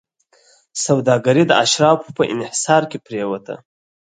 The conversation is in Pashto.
سوداګري د اشرافو په انحصار کې پرېوته.